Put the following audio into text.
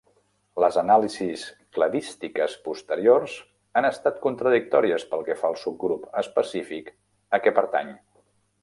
Les anàlisis cladístiques posteriors han estat contradictòries pel que fa al subgrup específic a què pertany.